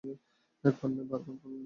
একবার নয়, বারবার করলেন।